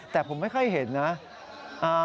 แต่ผมไม่ค่อยเห็นนะ